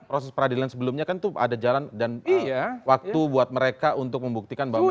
proses peradilan sebelumnya kan itu ada jalan dan waktu buat mereka untuk membuktikan bahwa